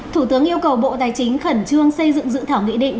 thủ tướng yêu cầu bộ tài chính khẩn trương xây dựng dự thảo nghị định